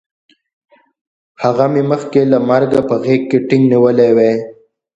هغه مې مخکې له مرګه په غېږ کې ټینګ نیولی وی